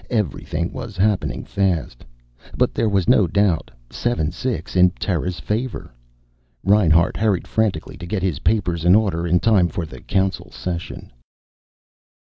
Everything was happening fast. But there was no doubt. 7 6. In Terra's favor. Reinhart hurried frantically to get his papers in order, in time for the Council session.